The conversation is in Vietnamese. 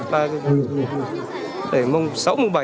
và để mùng sáu mùng bảy